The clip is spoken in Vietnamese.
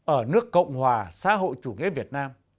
ở nước cộng hòa xã hội chủ nghĩa việt nam